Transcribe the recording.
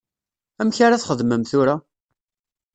Amek ara txedmem tura?